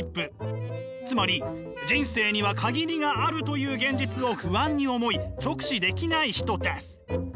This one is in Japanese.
つまり人生には限りがあるという現実を不安に思い直視できない人です。